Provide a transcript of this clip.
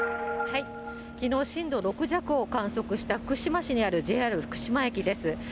きのう、震度６弱を観測した福島市にあるＪＲ福島駅です。